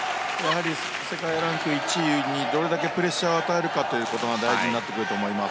世界ランキング１位にどれだけプレッシャーを与えるかということが大事になってくると思います。